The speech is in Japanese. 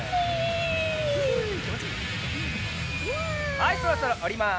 はいそろそろおります。